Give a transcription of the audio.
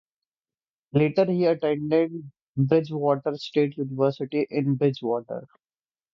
Later he attended Bridgewater State University in Bridgewater.